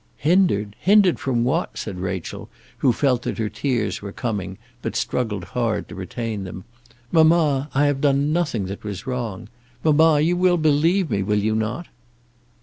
"Hindered, hindered from what?" said Rachel, who felt that her tears were coming, but struggled hard to retain them. "Mamma, I have done nothing that was wrong. Mamma, you will believe me, will you not?"